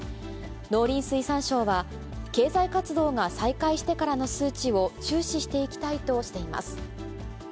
農林水産省は、経済活動が再開してからの数値を注視していきたいとしています。